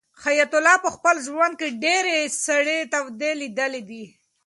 حیات الله په خپل ژوند کې ډېرې سړې تودې لیدلې دي.